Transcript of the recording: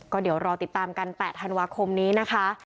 ก็เดี๋ยวรอติดตามกัน๘ธันวาคมนี้นะคะ